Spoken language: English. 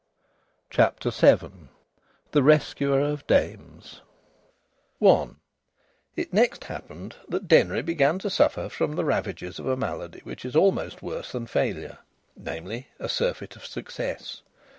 CHAPTER VII THE RESCUER OF DAMES I It next happened that Denry began to suffer from the ravages of a malady which is almost worse than failure namely, a surfeit of success.